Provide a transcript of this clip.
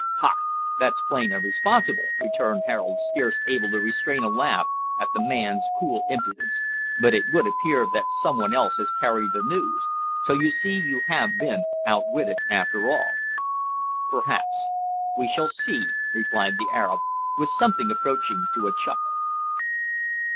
"Ha! that's plain and reasonable," returned Harold, scarce able to restrain a laugh at the man's cool impudence. "But it would appear that some one else has carried the news; so, you see, you have been outwitted after all." "Perhaps. We shall see," replied the Arab, with something approaching to a chuckle.